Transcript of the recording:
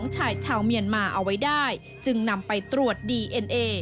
ชายชาวเมียนมาเอาไว้ได้จึงนำไปตรวจดีเอ็นเอ